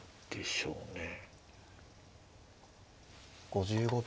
５５秒。